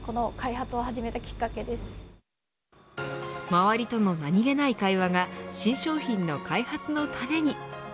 周りとのなにげない会話が新商品の開発の種に。